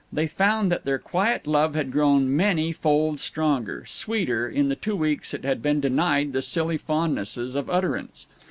They found that their quiet love had grown many fold stronger, sweeter, in the two weeks it had been denied the silly fondnesses of utterance.